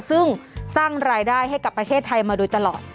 ซึ่งสร้างรายได้ให้กับประเทศไทยมาโดยตลอด